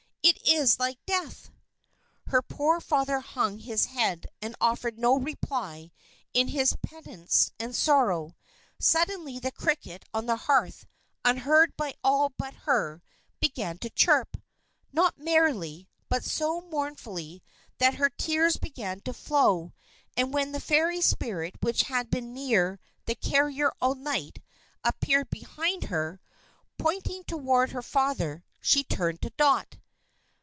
It is like death!" Her poor father hung his head and offered no reply in his penitence and sorrow. Suddenly the cricket on the hearth, unheard by all but her, began to chirp, not merrily, but so mournfully that her tears began to flow; and when the fairy spirit which had been near the carrier all night, appeared behind her, pointing toward her father, she turned to Dot.